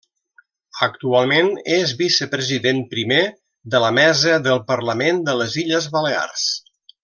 Actualment és Vicepresident primer de la Mesa del Parlament de les Illes Balears.